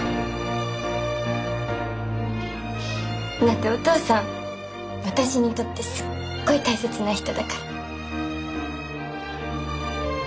だってお父さん私にとってすっごい大切な人だから。